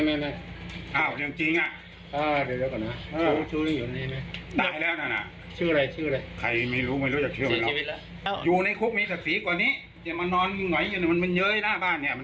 ค่ะเป็นตามกันด้วยนะครับพี่ฟังตามกันบอกว่าเพื่อนจะหายไปให้นะครับท่านท้อง